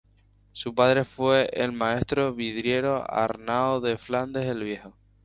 Su padre fue el maestro vidriero Arnao de Flandes el Viejo.